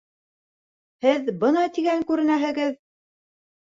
Һеҙ бына тигән күренәһегеҙ